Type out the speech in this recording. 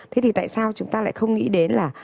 thế thì tại sao chúng ta lại không nghĩ đến là